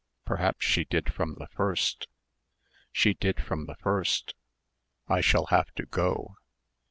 Perhaps she did from the first.... She did from the first.... I shall have to go